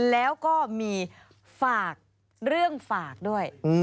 แล้วก็มีฝากเรื่องฝากด้วย